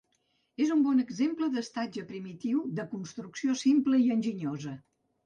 És un bon exemple d'estatge primitiu, de construcció simple i enginyosa.